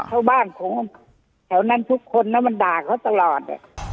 เข้าบ้านของแถวนั้นทุกคนนะมันด่าเขาตลอด